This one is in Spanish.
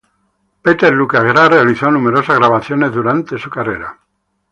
Peter-Lukas Graf realizó numerosas grabaciones durante su carrera.